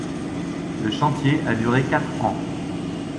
Le chantier a duré quatre ans.